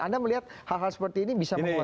anda melihat hal hal seperti ini bisa menguasai